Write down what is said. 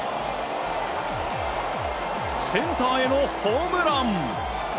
センターへのホームラン！